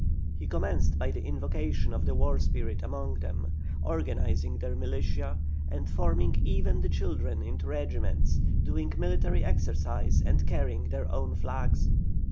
He commenced by the invocation of the war spirit among them, organizing their militia, and forming even the children into regiments, doing military exercise and carrying their own flags.